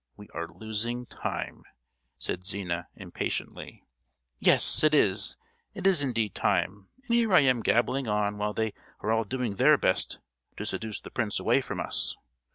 We are losing time," said Zina, impatiently. "Yes, it is, it is indeed time; and here am I gabbling on while they are all doing their best to seduce the prince away from us.